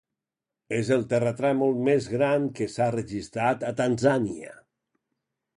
És el terratrèmol més gran que s'ha registrat a Tanzània.